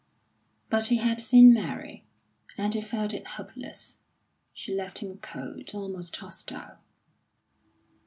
But he had seen Mary, and he felt it hopeless; she left him cold, almost hostile.